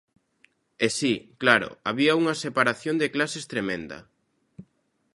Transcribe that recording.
E si, claro, había unha separación de clases tremenda.